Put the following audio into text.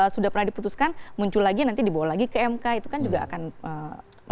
sudah pernah diputuskan muncul lagi nanti dibawa lagi ke mk itu kan juga akan menjadi